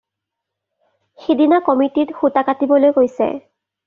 সিদিনা কমিটীত সূতা কাটিবলৈ কৈছে